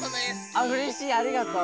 あうれしいありがとう。